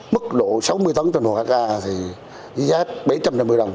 mức độ sáu mươi tấn trên một ha thì giá bảy trăm năm mươi đồng